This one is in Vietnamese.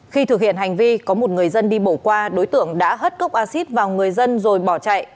khi thực hiện hành vi có một người dân đi bỏ qua đối tượng đã hất cốc acid vào người dân rồi bỏ chạy